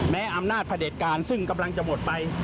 อำนาจพระเด็จการซึ่งกำลังจะหมดไป